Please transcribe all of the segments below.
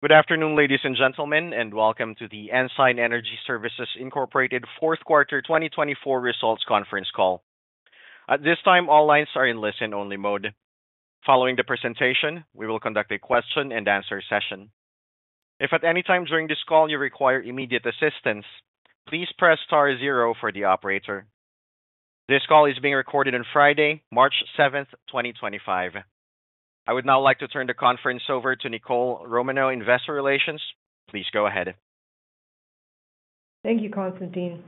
Good afternoon, ladies and gentlemen, and welcome to the Ensign Energy Services Fourth Quarter 2024 Results conference call. At this time, all lines are in listen-only mode. Following the presentation, we will conduct a question-and-answer session. If at any time during this call you require immediate assistance, please press star zero for the operator. This call is being recorded on Friday, March 7, 2025. I would now like to turn the conference over to Nicole Romanow, Investor Relations. Please go ahead. Thank you, Constantine.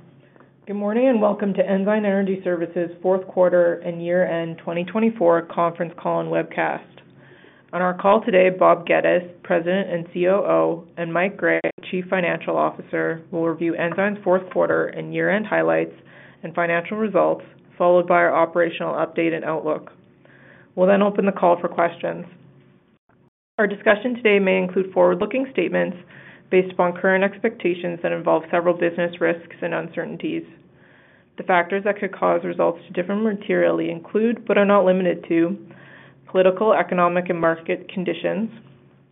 Good morning and welcome to Ensign Energy Services Fourth Quarter and Year-End 2024 Conference Call and Webcast. On our call today, Bob Geddes, President and COO, and Mike Gray, Chief Financial Officer, will review Ensign's Fourth Quarter and Year-End highlights and financial results, followed by our operational update and outlook. We will then open the call for questions. Our discussion today may include forward-looking statements based upon current expectations that involve several business risks and uncertainties. The factors that could cause results to differ materially include, but are not limited to, political, economic, and market conditions,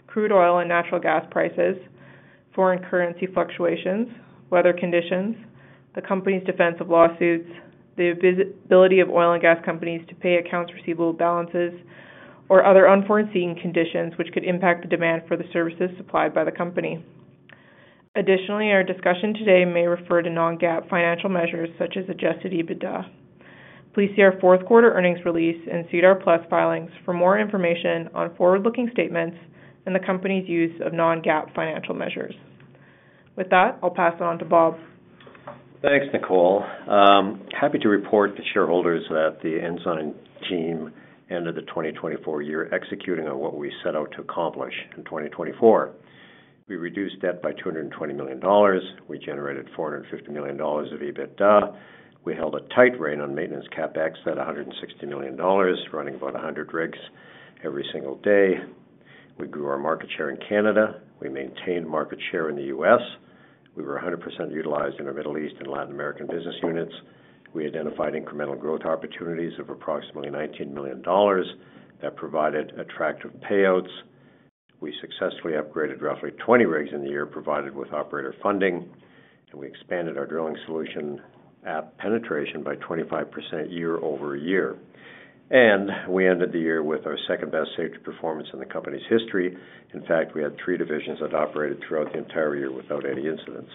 crude oil and natural gas prices, foreign currency fluctuations, weather conditions, the company's defense of lawsuits, the ability of oil and gas companies to pay accounts receivable balances, or other unforeseen conditions which could impact the demand for the services supplied by the company. Additionally, our discussion today may refer to non-GAAP financial measures such as adjusted EBITDA. Please see our fourth quarter earnings release and SEDAR+ filings for more information on forward-looking statements and the company's use of non-GAAP financial measures. With that, I'll pass it on to Bob. Thanks, Nicole. Happy to report to shareholders that the Ensign team ended the 2024 year executing on what we set out to accomplish in 2024. We reduced debt by $220 million. We generated $450 million of EBITDA. We held a tight rein on maintenance capex at $160 million, running about 100 rigs every single day. We grew our market share in Canada. We maintained market share in the U.S.. We were 100% utilized in the Middle East and Latin American business units. We identified incremental growth opportunities of approximately $19 million that provided attractive payouts. We successfully upgraded roughly 20 rigs in the year provided with operator funding, and we expanded our drilling solution app penetration by 25% year over year. We ended the year with our second-best saved performance in the company's history. In fact, we had three divisions that operated throughout the entire year without any incidents.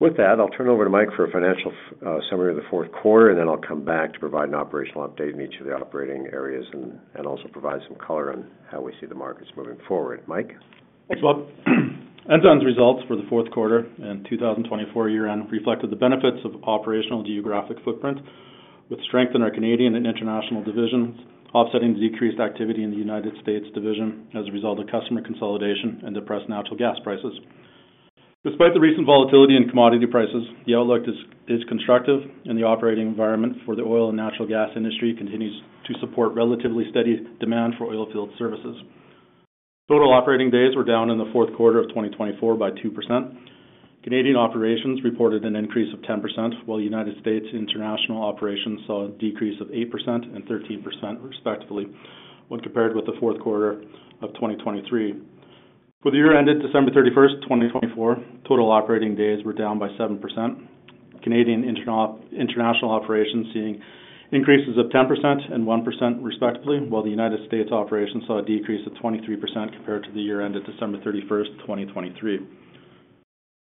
With that, I'll turn it over to Mike for a financial summary of the fourth quarter, and then I'll come back to provide an operational update in each of the operating areas and also provide some color on how we see the markets moving forward. Mike. Thanks, Bob. Ensign's results for the fourth quarter and 2024 year-end reflected the benefits of operational geographic footprint, with strength in our Canadian and international divisions, offsetting the decreased activity in the U.S. division as a result of customer consolidation and depressed natural gas prices. Despite the recent volatility in commodity prices, the outlook is constructive, and the operating environment for the oil and natural gas industry continues to support relatively steady demand for oilfield services. Total operating days were down in the fourth quarter of 2024 by 2%. Canadian operations reported an increase of 10%, while U.S. and international operations saw a decrease of 8% and 13%, respectively, when compared with the fourth quarter of 2023. For the year ended December 31, 2024, total operating days were down by 7%. Canadian international operations seeing increases of 10% and 1%, respectively, while the U.S. operations saw a decrease of 23% compared to the year ended December 31, 2023.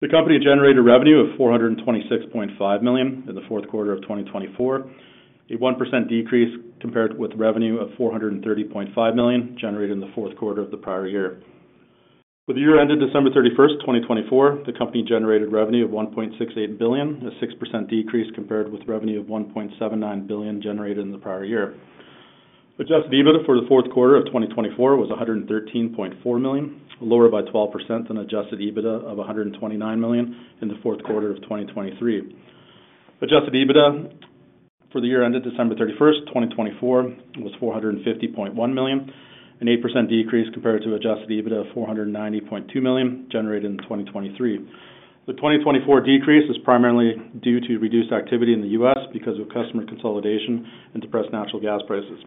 The company generated revenue of $426.5 million in the fourth quarter of 2024, a 1% decrease compared with revenue of $430.5 million generated in the fourth quarter of the prior year. For the year ended December 31, 2024, the company generated revenue of $1.68 billion, a 6% decrease compared with revenue of $1.79 billion generated in the prior year. Adjusted EBITDA for the fourth quarter of 2024 was $113.4 million, lower by 12% than adjusted EBITDA of $129 million in the fourth quarter of 2023. Adjusted EBITDA for the year ended December 31, 2024, was $450.1 million, an 8% decrease compared to adjusted EBITDA of $490.2 million generated in 2023. The 2024 decrease is primarily due to reduced activity in the U.S. because of customer consolidation and depressed natural gas prices.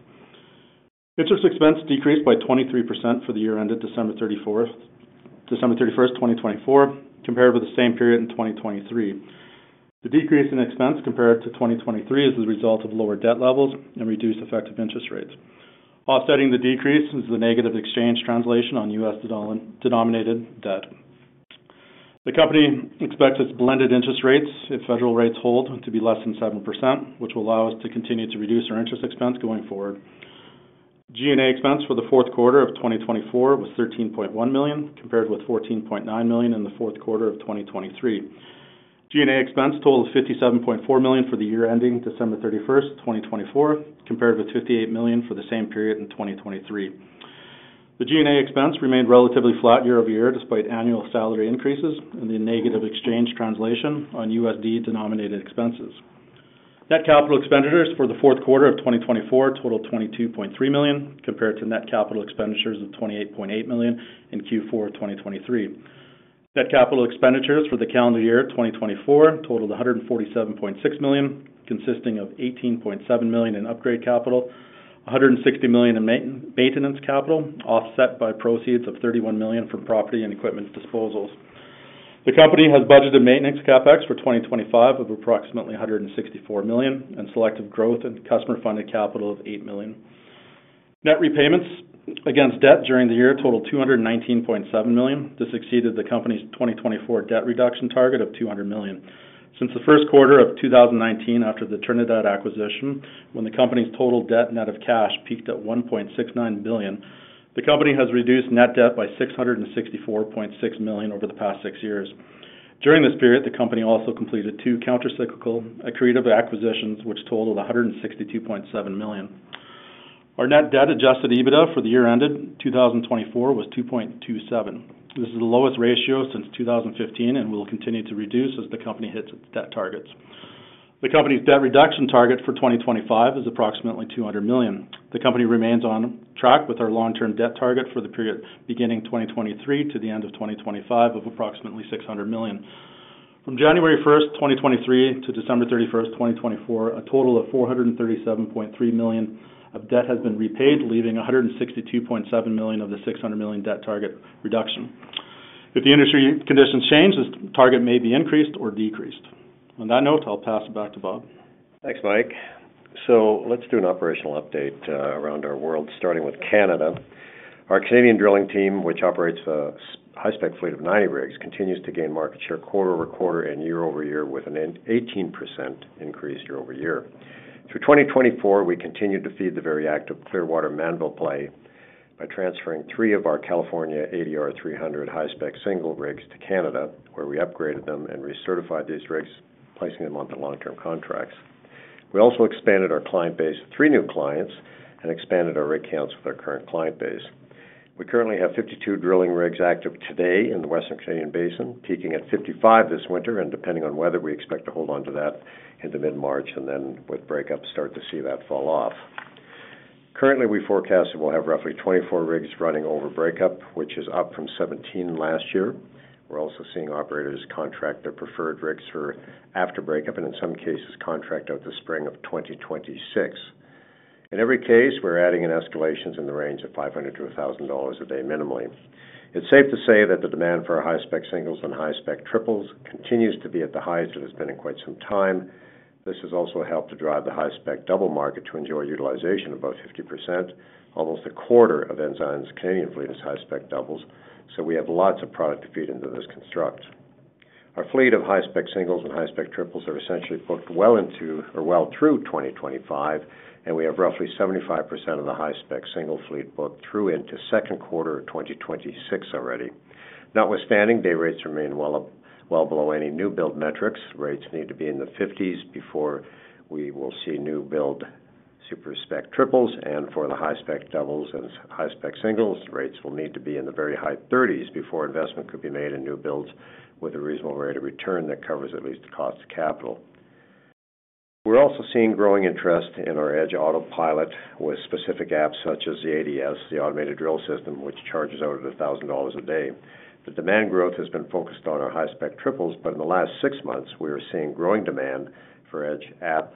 Interest expense decreased by 23% for the year ended December 31, 2024, compared with the same period in 2023. The decrease in expense compared to 2023 is the result of lower debt levels and reduced effective interest rates, offsetting the decrease is the negative exchange translation on U.S.denominated debt. The company expects its blended interest rates, if federal rates hold, to be less than 7%, which will allow us to continue to reduce our interest expense going forward. G&A expense for the fourth quarter of 2024 was $13.1 million compared with $14.9 million in the fourth quarter of 2023. G&A expense totaled $57.4 million for the year ending December 31, 2024, compared with $58 million for the same period in 2023. The G&A expense remained relatively flat year over year despite annual salary increases and the negative exchange translation on U.S. denominated expenses. Net capital expenditures for the fourth quarter of 2024 totaled $22.3 million compared to net capital expenditures of $28.8 million in Q4 2023. Net capital expenditures for the calendar year 2024 totaled $147.6 million, consisting of $18.7 million in upgrade capital, $160 million in maintenance capital, offset by proceeds of $31 million from property and equipment disposals. The company has budgeted maintenance capex for 2025 of approximately $164 million and selective growth and customer-funded capital of $8 million. Net repayments against debt during the year totaled $219.7 million. This exceeded the company's 2024 debt reduction target of $200 million. Since the first quarter of 2019, after the Trinidad acquisition, when the company's total debt net of cash peaked at $1.69 billion, the company has reduced net debt by $64.6 million over the past six years. During this period, the company also completed two countercyclical accretive acquisitions, which totaled $162.7 million. Our net debt adjusted EBITDA for the year ended 2024 was 2.27. This is the lowest ratio since 2015 and will continue to reduce as the company hits its debt targets. The company's debt reduction target for 2025 is approximately $200 million. The company remains on track with our long-term debt target for the period beginning 2023 to the end of 2025 of approximately $600 million. From January 1, 2023, to December 31, 2024, a total of $437.3 million of debt has been repaid, leaving $162.7 million of the $600 million debt target reduction. If the industry conditions change, this target may be increased or decreased. On that note, I'll pass it back to Bob. Thanks, Mike. Let's do an operational update around our world, starting with Canada. Our Canadian drilling team, which operates a high-spec fleet of 90 rigs, continues to gain market share quarter over quarter and year over year with an 18% increase year over year. Through 2024, we continued to feed the very active Clearwater Mannville play by transferring three of our California ADR 300 high-spec single rigs to Canada, where we upgraded them and recertified these rigs, placing them onto long-term contracts. We also expanded our client base with three new clients and expanded our rig counts with our current client base. We currently have 52 drilling rigs active today in the Western Canadian Basin, peaking at 55 this winter, and depending on weather, we expect to hold on to that into mid-March and then, with breakup, start to see that fall off. Currently, we forecast that we'll have roughly 24 rigs running over breakup, which is up from 17 last year. We're also seeing operators contract their preferred rigs for after breakup and, in some cases, contract out the spring of 2026. In every case, we're adding in escalations in the range of $500-$1,000 a day, minimally. It's safe to say that the demand for our high-spec singles and high-spec triples continues to be at the highest it has been in quite some time. This has also helped to drive the high-spec double market to enjoy utilization of about 50%, almost a quarter of Ensign's Canadian fleet is high-spec doubles, so we have lots of product to feed into this construct. Our fleet of high-spec singles and high-spec triples are essentially booked well into or well through 2025, and we have roughly 75% of the high-spec single fleet booked through into second quarter of 2026 already. Notwithstanding, day rates remain well below any new build metrics. Rates need to be in the 50s before we will see new build super-spec triples, and for the high-spec doubles and high-spec singles, rates will need to be in the very high 30s before investment could be made in new builds with a reasonable rate of return that covers at least the cost of capital. We are also seeing growing interest in our Edge AUTOPILOT with specific apps such as the ADS, the automated drill system, which charges out at $1,000 a day. The demand growth has been focused on our high-spec triples, but in the last six months, we are seeing growing demand for Edge app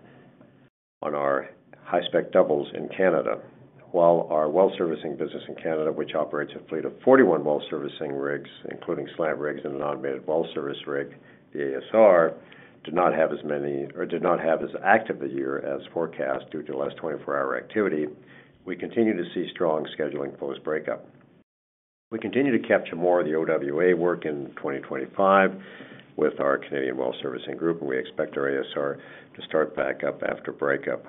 on our high-spec doubles in Canada. While our well-servicing business in Canada, which operates a fleet of 41 well-servicing rigs, including slab rigs and an automated well-service rig, the ASR, did not have as many or did not have as active a year as forecast due to less 24-hour activity, we continue to see strong scheduling post-breakup. We continue to capture more of the OWA work in 2025 with our Canadian well-servicing group, and we expect our ASR to start back up after breakup.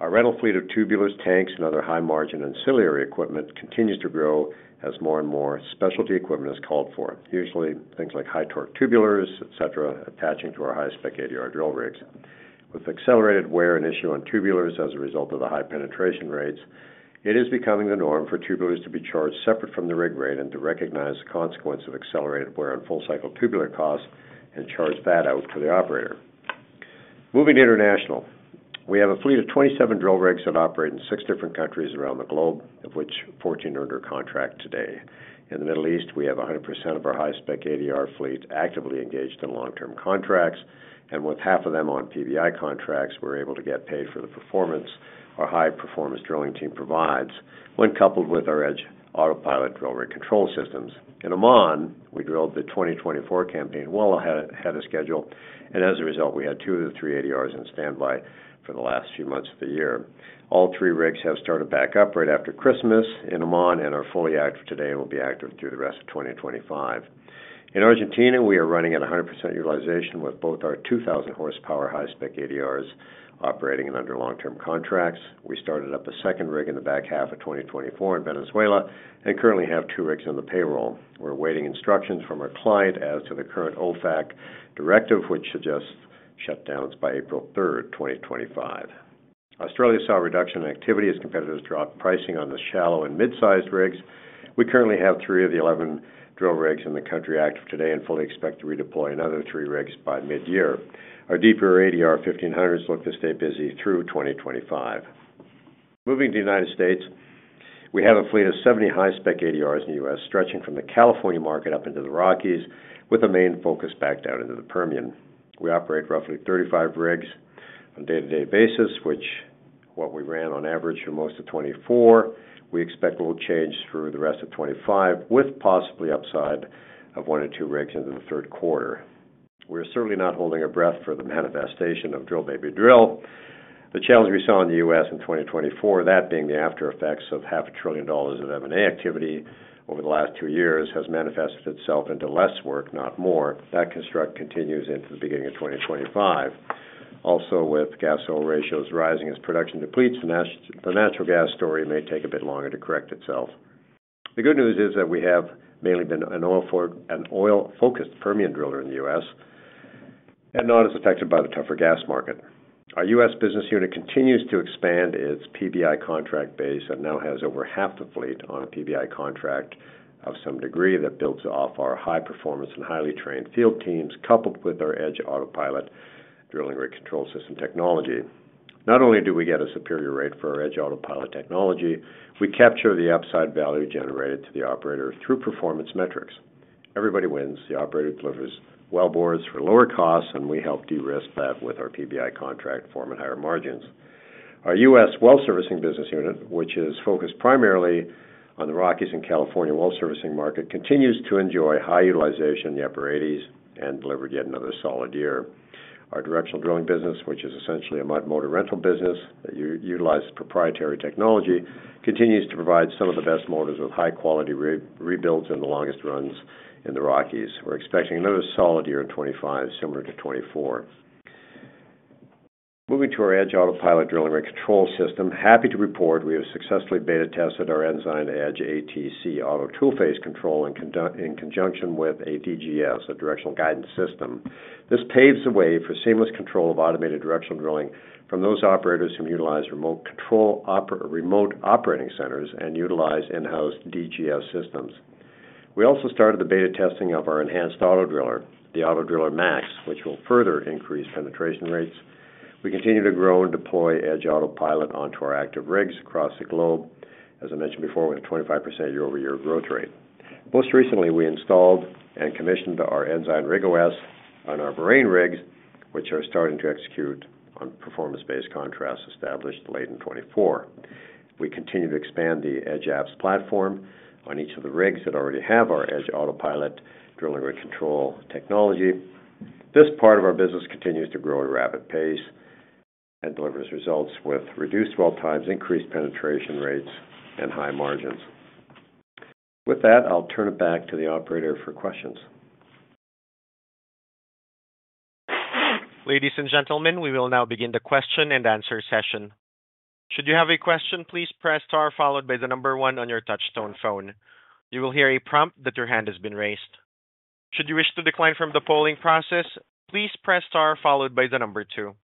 Our rental fleet of tubulars, tanks, and other high-margin ancillary equipment continues to grow as more and more specialty equipment is called for, usually things like high-torque tubulars, etc., attaching to our high-spec ADR drill rigs. With accelerated wear and issue on tubulars as a result of the high penetration rates, it is becoming the norm for tubulars to be charged separate from the rig rate and to recognize the consequence of accelerated wear on full-cycle tubular costs and charge that out to the operator. Moving international, we have a fleet of 27 drill rigs that operate in six different countries around the globe, of which 14 are contracted today. In the Middle East, we have 100% of our high-spec ADR fleet actively engaged in long-term contracts, and with half of them on PBI contracts, we're able to get paid for the performance our high-performance drilling team provides, when coupled with our Edge AUTOPILOT drill rig control systems. In Oman, we drilled the 2024 campaign well ahead of schedule, and as a result, we had two of the three ADRs in standby for the last few months of the year. All three rigs have started back up right after Christmas in Oman and are fully active today and will be active through the rest of 2025. In Argentina, we are running at 100% utilization with both our 2,000 HP high-spec ADRs operating and under long-term contracts. We started up a second rig in the back half of 2024 in Venezuela and currently have two rigs in the payroll. We're awaiting instructions from our client as to the current OFAC directive, which suggests shutdowns by April 3, 2025. Australia saw a reduction in activity as competitors dropped pricing on the shallow and mid-sized rigs. We currently have three of the 11 drill rigs in the country active today and fully expect to redeploy another three rigs by mid-year. Our Deeper ADR 1500s look to stay busy through 2025. Moving to the United States, we have a fleet of 70 high-spec ADRs in the U.S., stretching from the California market up into the Rockies with a main focus back down into the Permian. We operate roughly 35 rigs on a day-to-day basis, which, what we ran on average for most of 2024, we expect will change through the rest of 2025 with possibly upside of one or two rigs into the third quarter. We are certainly not holding our breath for the manifestation of drill, baby, drill. The challenge we saw in the U.S. In 2024, that being the aftereffects of half a trillion dollars of M&A activity over the last two years, has manifested itself into less work, not more. That construct continues into the beginning of 2025. Also, with gas oil ratios rising, as production depletes, the natural gas story may take a bit longer to correct itself. The good news is that we have mainly been an oil-focused Permian driller in the U.S. and not as affected by the tougher gas market. Our U.S. business unit continues to expand its PBI contract base and now has over half the fleet on a PBI contract of some degree that builds off our high-performance and highly trained field teams, coupled with our Edge AUTOPILOT drilling rig control system technology. Not only do we get a superior rate for our Edge AUTOPILOT technology, we capture the upside value generated to the operator through performance metrics. Everybody wins. The operator delivers wellbores for lower costs, and we help de-risk that with our PBI contract forming higher margins. Our U.S. well-servicing business unit, which is focused primarily on the Rockies and California well-servicing market, continues to enjoy high utilization in the upper 80s and delivered yet another solid year. Our directional drilling business, which is essentially a mud motor rental business that utilizes proprietary technology, continues to provide some of the best motors with high-quality rebuilds and the longest runs in the Rockies. We're expecting another solid year in 2025, similar to 2024. Moving to our Edge AUTOPILOT drilling rig control system, happy to report we have successfully beta-tested our Ensign Edge ATC auto Toolface Control in conjunction with a DGS, a directional guidance system. This paves the way for seamless control of automated directional drilling from those operators who utilize remote control remote operating centers and utilize in-house DGS systems. We also started the beta testing of our enhanced auto driller, the Auto Driller MAX, which will further increase penetration rates. We continue to grow and deploy Edge AUTOPILOT onto our active rigs across the globe. As I mentioned before, we have a 25% year-over-year growth rate. Most recently, we installed and commissioned our Ensign Rig OS on our Bahrain rigs, which are starting to execute on performance-based contracts established late in 2024. We continue to expand the Edge apps platform on each of the rigs that already have our Edge AUTOPILOT drilling rig control technology. This part of our business continues to grow at a rapid pace and delivers results with reduced well times, increased penetration rates, and high margins. With that, I'll turn it back to the operator for questions. Ladies and gentlemen, we will now begin the question and answer session. Should you have a question, please press star followed by the number one on your touch-tone phone. You will hear a prompt that your hand has been raised. Should you wish to decline from the polling process, please press star followed by the number two.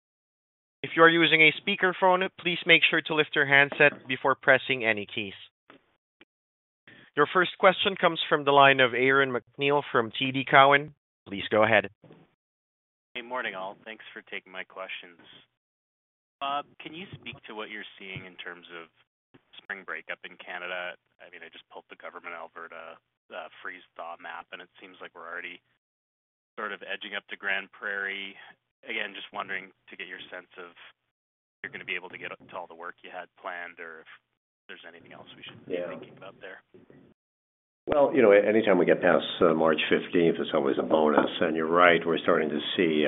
If you are using a speakerphone, please make sure to lift your handset before pressing any keys. Your first question comes from the line of Aaron MacNeil from TD Cowen. Please go ahead. Hey, morning all. Thanks for taking my questions. Bob, can you speak to what you're seeing in terms of spring breakup in Canada? I mean, I just pulled the government Alberta freeze-thaw map, and it seems like we're already sort of edging up to Grande Prairie. Again, just wondering to get your sense of if you're going to be able to get to all the work you had planned or if there's anything else we should be thinking about there. You know, anytime we get past March 15th, it's always a bonus. You're right, we're starting to see,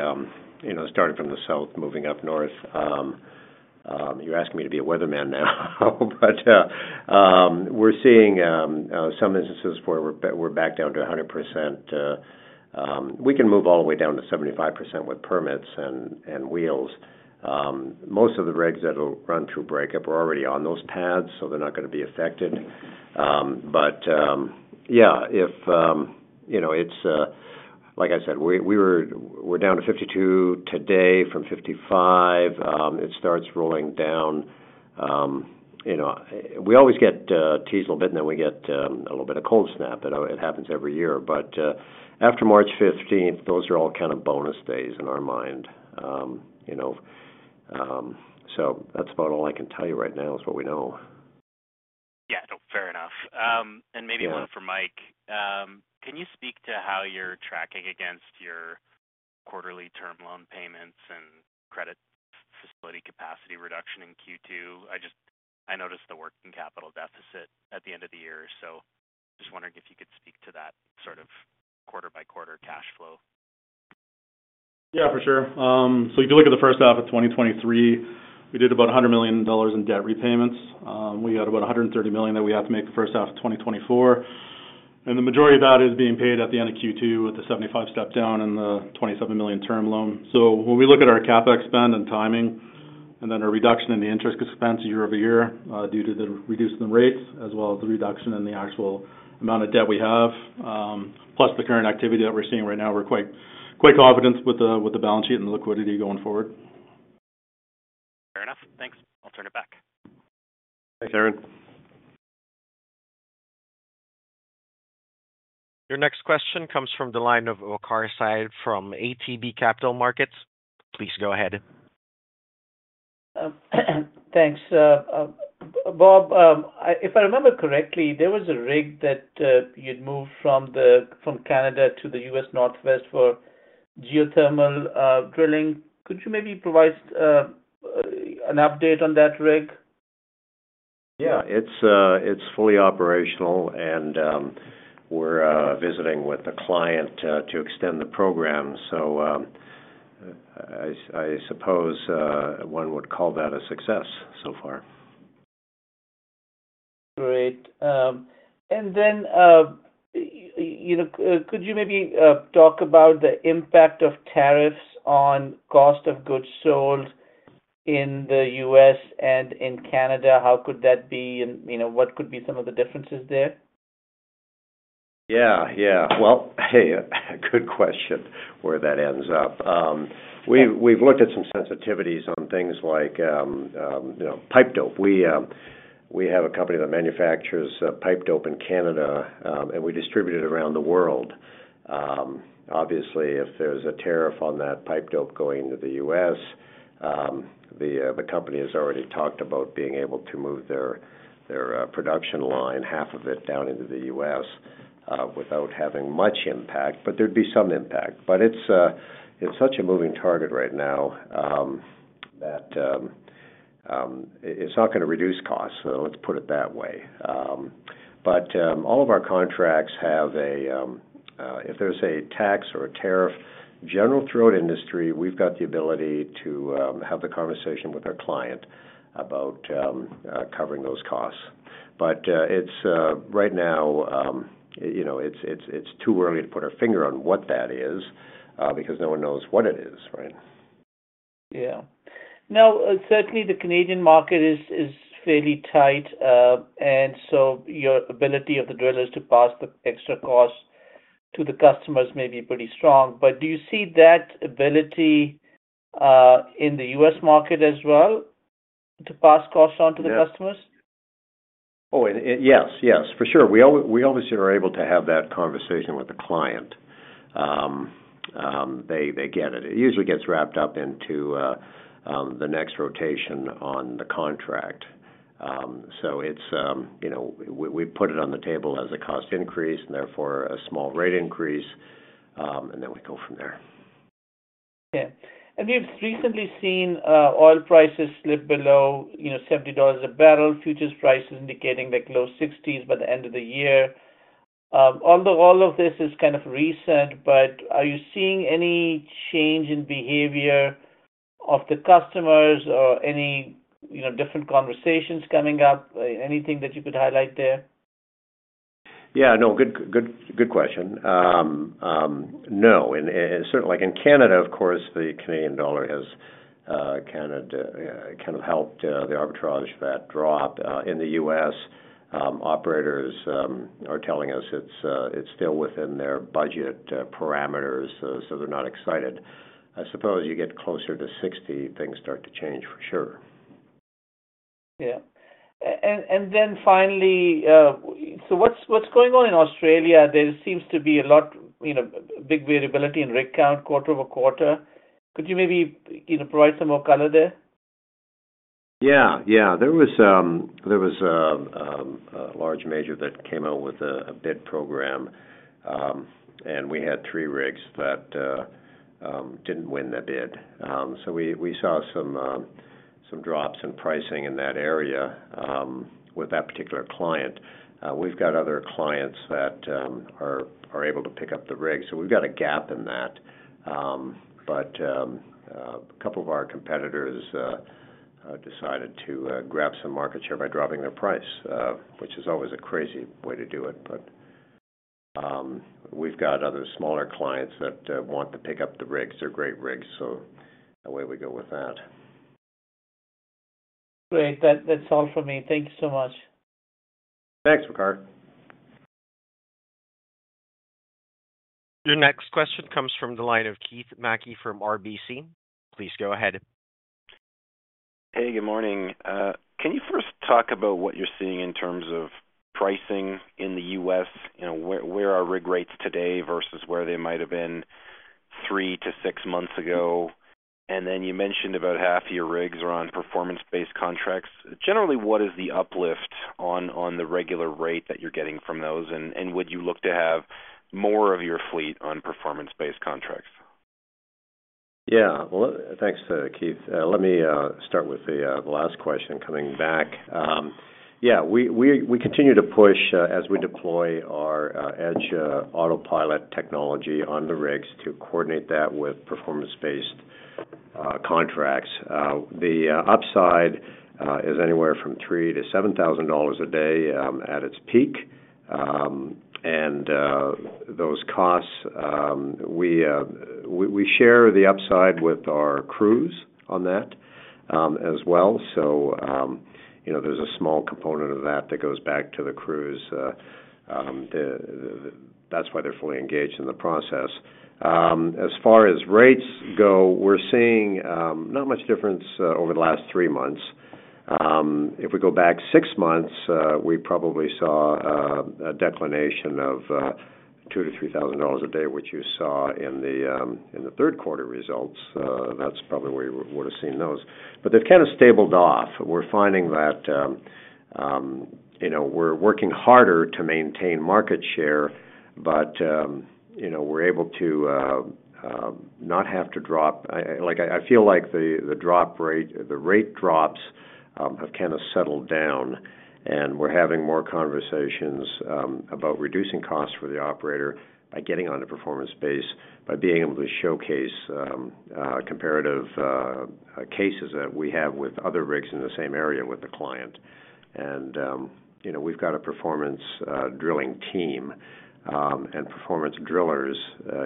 starting from the south moving up north. You're asking me to be a weatherman now, but we're seeing some instances where we're back down to 100%. We can move all the way down to 75% with permits and wheels. Most of the rigs that will run through breakup are already on those pads, so they're not going to be affected. Yeah, if, you know, like I said, we were down to 52 today from 55. It starts rolling down. We always get teased a little bit, and then we get a little bit of cold snap, but it happens every year. After March 15th, those are all kind of bonus days in our mind. That's about all I can tell you right now is what we know. Yeah, no, fair enough. Maybe one for Mike. Can you speak to how you're tracking against your quarterly term loan payments and credit facility capacity reduction in Q2? I noticed the working capital deficit at the end of the year, so just wondering if you could speak to that sort of quarter-by-quarter cash flow. Yeah, for sure. If you look at the first half of 2023, we did about $100 million in debt repayments. We got about $130 million that we have to make the first half of 2024. The majority of that is being paid at the end of Q2 with the 75 step down and the $27 million term loan. When we look at our CapEx spend and timing and then our reduction in the interest expense year over year due to the reduced rates, as well as the reduction in the actual amount of debt we have, plus the current activity that we're seeing right now, we're quite confident with the balance sheet and the liquidity going forward. Fair enough. Thanks. I'll turn it back. Thanks, Aaron. Your next question comes from the line of Waqar Syed from ATB Capital Markets. Please go ahead. Thanks. Bob, if I remember correctly, there was a rig that you moved from Canada to the U.S. Northwest for geothermal drilling. Could you maybe provide an update on that rig? Yeah, it's fully operational, and we're visiting with a client to extend the program. I suppose one would call that a success so far. Great. Could you maybe talk about the impact of tariffs on cost of goods sold in the U.S. and in Canada? How could that be, and what could be some of the differences there? Yeah, yeah. Hey, good question where that ends up. We've looked at some sensitivities on things like pipe dope. We have a company that manufactures pipe dope in Canada, and we distribute it around the world. Obviously, if there's a tariff on that pipe dope going into the U.S., the company has already talked about being able to move their production line, half of it down into the U.S., without having much impact, but there'd be some impact. It's such a moving target right now that it's not going to reduce costs, let's put it that way. All of our contracts have a, if there's a tax or a tariff, general throughout industry, we've got the ability to have the conversation with our client about covering those costs. Right now, it's too early to put our finger on what that is because no one knows what it is, right? Yeah. Now, certainly, the Canadian market is fairly tight, and so your ability of the drillers to pass the extra cost to the customers may be pretty strong. Do you see that ability in the U.S. market as well to pass costs on to the customers? Oh, yes, yes, for sure. We always are able to have that conversation with the client. They get it. It usually gets wrapped up into the next rotation on the contract. We put it on the table as a cost increase and therefore a small rate increase, and then we go from there. Okay. Have you recently seen oil prices slip below $70 a barrel, futures prices indicating the low $60s by the end of the year? Although all of this is kind of recent, are you seeing any change in behavior of the customers or any different conversations coming up? Anything that you could highlight there? Yeah, no, good question. No, certainly in Canada, of course, the Canadian dollar has kind of helped the arbitrage of that drop. In the U.S., operators are telling us it's still within their budget parameters, so they're not excited. I suppose you get closer to 60, things start to change for sure. Yeah. Finally, what's going on in Australia? There seems to be a lot of big variability in rig count quarter over quarter. Could you maybe provide some more color there? Yeah, yeah. There was a large major that came out with a bid program, and we had three rigs that did not win the bid. We saw some drops in pricing in that area with that particular client. We have other clients that are able to pick up the rig, so we have a gap in that. A couple of our competitors decided to grab some market share by dropping their price, which is always a crazy way to do it. We have other smaller clients that want to pick up the rigs. They are great rigs, so away we go with that. Great. That's all for me. Thank you so much. Thanks, Waqar. Your next question comes from the line of Keith Mackey from RBC. Please go ahead. Hey, good morning. Can you first talk about what you're seeing in terms of pricing in the U.S.? Where are rig rates today versus where they might have been three to six months ago? You mentioned about half your rigs are on performance-based contracts. Generally, what is the uplift on the regular rate that you're getting from those? Would you look to have more of your fleet on performance-based contracts? Yeah. Thanks, Keith. Let me start with the last question coming back. Yeah, we continue to push as we deploy our Edge AUTOPILOT technology on the rigs to coordinate that with performance-based contracts. The upside is anywhere from $3,000-$7,000 a day at its peak. Those costs, we share the upside with our crews on that as well. There is a small component of that that goes back to the crews. That is why they are fully engaged in the process. As far as rates go, we are seeing not much difference over the last three months. If we go back six months, we probably saw a declination of $2,000-$3,000 a day, which you saw in the third quarter results. That is probably where you would have seen those. They have kind of stabled off. We're finding that we're working harder to maintain market share, but we're able to not have to drop. I feel like the rate drops have kind of settled down, and we're having more conversations about reducing costs for the operator by getting on a performance base, by being able to showcase comparative cases that we have with other rigs in the same area with the client. We've got a performance drilling team and performance drillers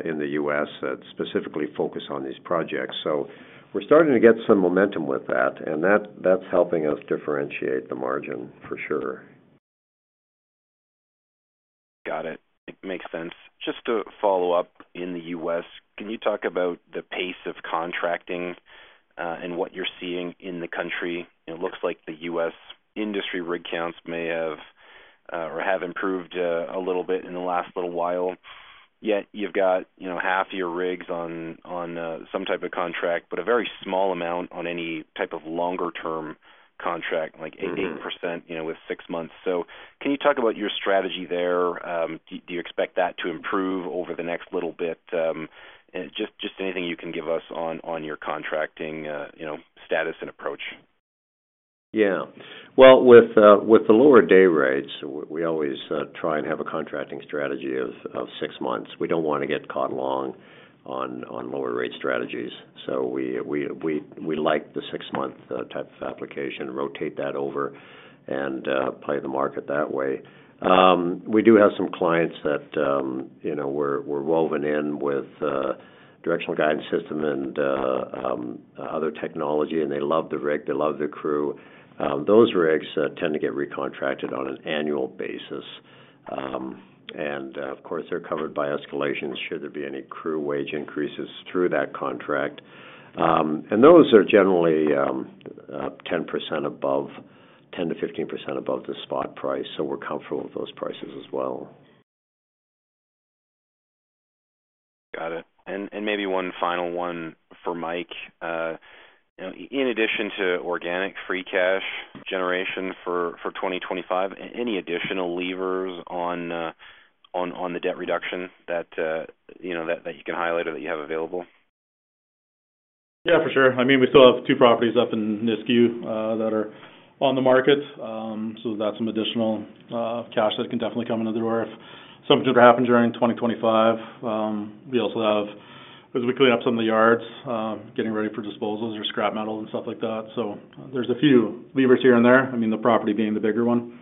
in the U.S. that specifically focus on these projects. We're starting to get some momentum with that, and that's helping us differentiate the margin for sure. Got it. Makes sense. Just to follow up, in the U.S., can you talk about the pace of contracting and what you're seeing in the country? It looks like the U.S. industry rig counts may have or have improved a little bit in the last little while. Yet you've got half your rigs on some type of contract, but a very small amount on any type of longer-term contract, like 8% with six months. Can you talk about your strategy there? Do you expect that to improve over the next little bit? Just anything you can give us on your contracting status and approach. Yeah. With the lower day rates, we always try and have a contracting strategy of six months. We do not want to get caught long on lower rate strategies. We like the six-month type of application, rotate that over, and play the market that way. We do have some clients that we are woven in with Directional Guidance System and other technology, and they love the rig. They love the crew. Those rigs tend to get recontracted on an annual basis. Of course, they are covered by escalations should there be any crew wage increases through that contract. Those are generally 10%-15% above the spot price, so we are comfortable with those prices as well. Got it. Maybe one final one for Mike. In addition to organic free cash generation for 2025, any additional levers on the debt reduction that you can highlight or that you have available? Yeah, for sure. I mean, we still have two properties up in Nisku that are on the market. So that's some additional cash that can definitely come in the door if something happens during 2025. We also have, as we clean up some of the yards, getting ready for disposals or scrap metals and stuff like that. So there's a few levers here and there. I mean, the property being the bigger one.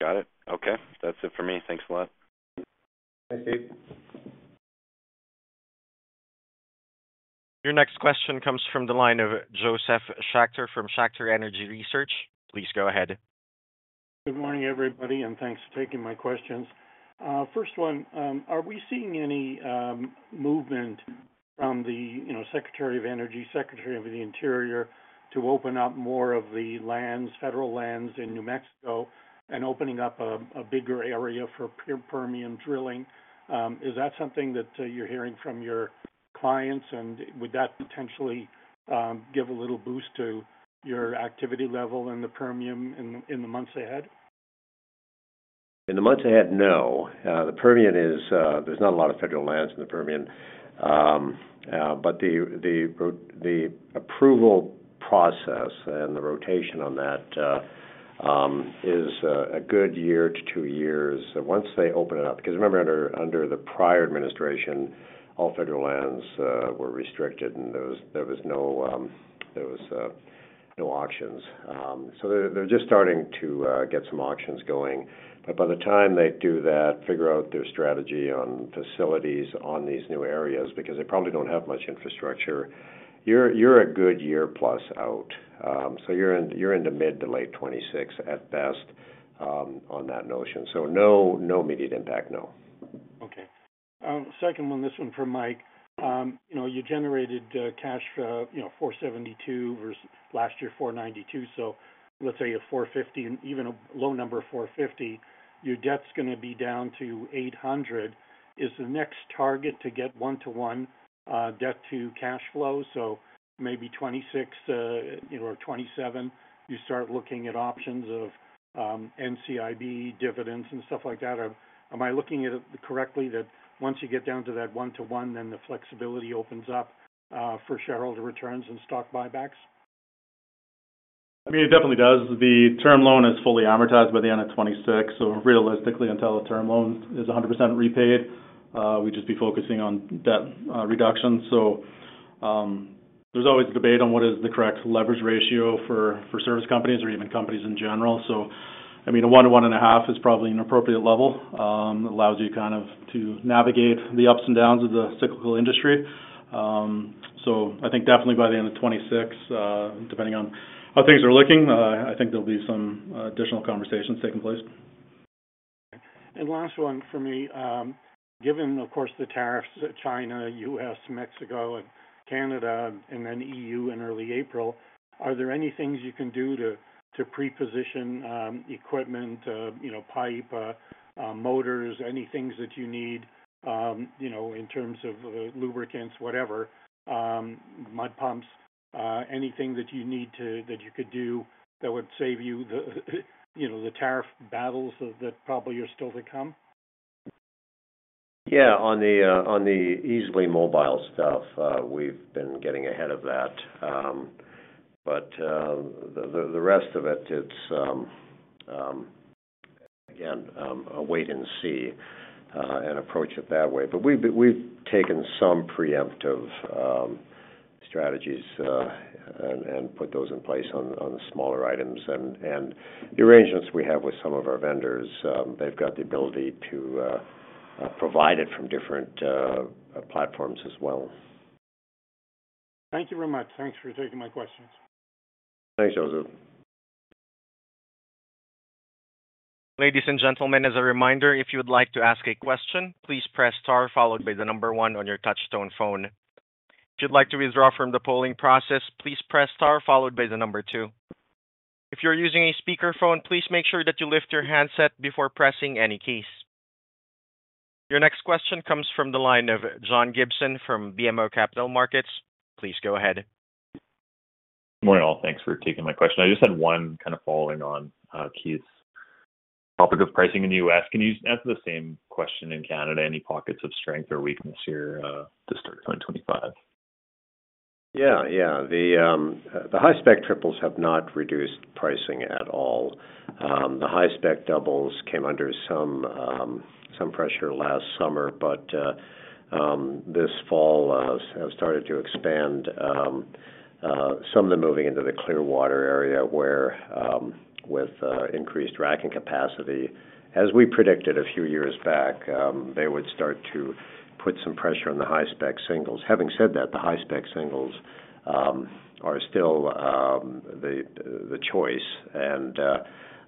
Got it. Okay. That's it for me. Thanks a lot. Thanks, Keith. Your next question comes from the line of Joseph Schachter from Schachter Energy Research. Please go ahead. Good morning, everybody, and thanks for taking my questions. First one, are we seeing any movement from the Secretary of Energy, Secretary of the Interior to open up more of the lands, federal lands in New Mexico, and opening up a bigger area for Permian drilling? Is that something that you're hearing from your clients, and would that potentially give a little boost to your activity level in the Permian in the months ahead? In the months ahead, no. The Permian is there's not a lot of federal lands in the Permian. The approval process and the rotation on that is a good year to two years once they open it up. Because remember, under the prior administration, all federal lands were restricted, and there were no auctions. They're just starting to get some auctions going. By the time they do that, figure out their strategy on facilities on these new areas because they probably don't have much infrastructure. You're a good year plus out. You're in the mid to late 2026 at best on that notion. No immediate impact, no. Okay. Second one, this one for Mike. You generated cash for $472 million versus last year $492 million. Let's say you have $450 million, even a low number of $450 million, your debt's going to be down to $800 million. Is the next target to get one-to-one debt-to-cash flow? Maybe 2026 or 2027, you start looking at options of NCIB dividends and stuff like that. Am I looking at it correctly that once you get down to that one-to-one, then the flexibility opens up for shareholder returns and stock buybacks? I mean, it definitely does. The term loan is fully amortized by the end of 2026. Realistically, until a term loan is 100% repaid, we'd just be focusing on debt reduction. There is always debate on what is the correct leverage ratio for service companies or even companies in general. I mean, a one-to-one and a half is probably an appropriate level. It allows you kind of to navigate the ups and downs of the cyclical industry. I think definitely by the end of 2026, depending on how things are looking, I think there will be some additional conversations taking place. Last one for me. Given, of course, the tariffs to China, U.S., Mexico, and Canada, and then EU in early April, are there any things you can do to pre-position equipment, pipe, motors, any things that you need in terms of lubricants, whatever, mud pumps, anything that you need that you could do that would save you the tariff battles that probably are still to come? Yeah. On the easily mobile stuff, we've been getting ahead of that. The rest of it, it's, again, a wait and see and approach it that way. We've taken some preemptive strategies and put those in place on smaller items. The arrangements we have with some of our vendors, they've got the ability to provide it from different platforms as well. Thank you very much. Thanks for taking my questions. Thanks, Joseph. Ladies and gentlemen, as a reminder, if you would like to ask a question, please press star followed by the number one on your touchstone phone. If you'd like to withdraw from the polling process, please press star followed by the number two. If you're using a speakerphone, please make sure that you lift your handset before pressing any case. Your next question comes from the line of John Gibson from BMO Capital Markets. Please go ahead. Good morning all. Thanks for taking my question. I just had one kind of following on Keith's topic of pricing in the U.S. Can you answer the same question in Canada? Any pockets of strength or weakness here to start 2025? Yeah, yeah. The high-spec triples have not reduced pricing at all. The high-spec doubles came under some pressure last summer, but this fall have started to expand. Some of them moving into the Clearwater area with increased racking capacity. As we predicted a few years back, they would start to put some pressure on the high-spec singles. Having said that, the high-spec singles are still the choice.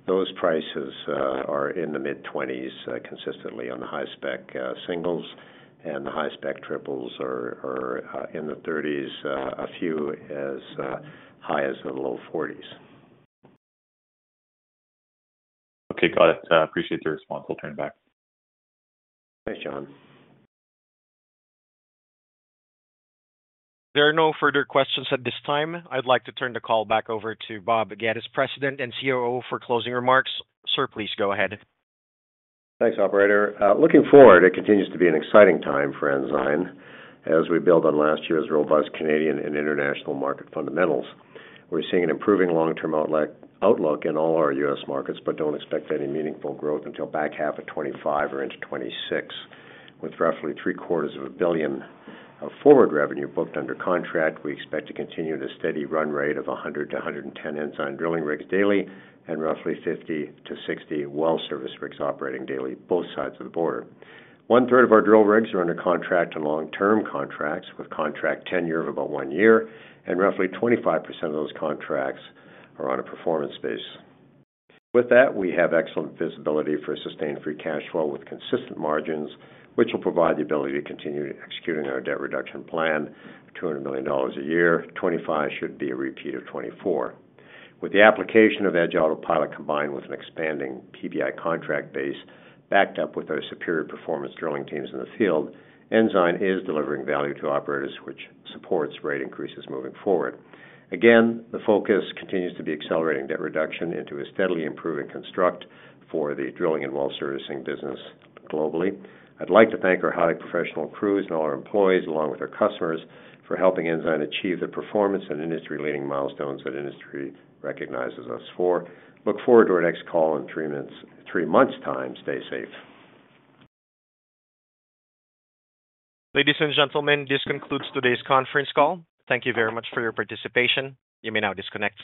Those prices are in the mid-20s consistently on the high-spec singles, and the high-spec triples are in the 30s, a few as high as the low 40s. Okay. Got it. Appreciate the response. I'll turn it back. Thanks, John. There are no further questions at this time. I'd like to turn the call back over to Bob Geddes, President and COO, for closing remarks. Sir, please go ahead. Thanks, Operator. Looking forward, it continues to be an exciting time for Ensign as we build on last year's robust Canadian and international market fundamentals. We're seeing an improving long-term outlook in all our U.S. markets, but don't expect any meaningful growth until back half of 2025 or into 2026. With roughly three-quarters of a billion of forward revenue booked under contract, we expect to continue the steady run rate of 100-110 Ensign drilling rigs daily and roughly 50-60 well-servicing rigs operating daily both sides of the border. One-third of our drill rigs are under contract and long-term contracts with contract tenure of about one year, and roughly 25% of those contracts are on a performance base. With that, we have excellent visibility for sustained free cash flow with consistent margins, which will provide the ability to continue executing our debt reduction plan, $200 million a year. 2025 should be a repeat of 2024. With the application of Edge AUTOPILOT combined with an expanding PBI contract base backed up with our superior performance drilling teams in the field, Ensign is delivering value to operators, which supports rate increases moving forward. Again, the focus continues to be accelerating debt reduction into a steadily improving construct for the drilling and well-servicing business globally. I'd like to thank our highly professional crews and all our employees, along with our customers, for helping Ensign achieve the performance and industry-leading milestones that industry recognizes us for. Look forward to our next call in three months' time. Stay safe. Ladies and gentlemen, this concludes today's conference call. Thank you very much for your participation. You may now disconnect.